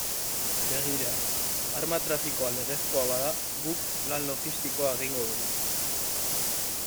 Begira, arma trafikoa legezkoa bada, guk lan logistikoa egingo dugu.